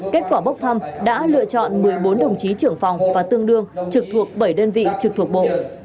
công an trung ương đã lựa chọn một mươi bốn đồng chí trưởng phòng và tương đương trực thuộc bảy đơn vị trực thuộc bộ